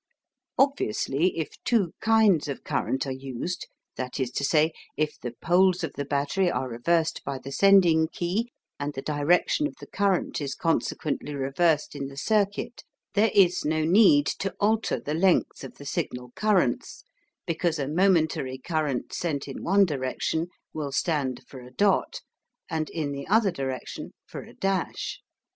Obviously, if two kinds of current are used, that is to say, if the poles of the battery are reversed by the sending key, and the direction of the current is consequently reversed in the circuit, there is no need to alter the length of the signal currents, because a momentary current sent in one direction will stand for a "dot" and in the other direction for a "dash."